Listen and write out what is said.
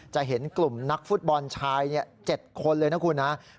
จะเห็นกลุ่มนักฟุตบอลชาย๗คนเลยนะคุณนะ